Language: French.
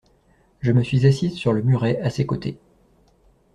Je me suis assise sur le muret à ses côtés.